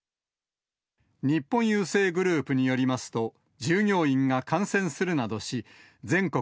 日本郵政グループによりますと、従業員が感染するなどし、全国